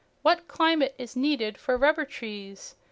What climate is needed for rubber trees?